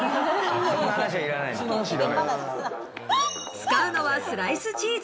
使うのはスライスチーズ。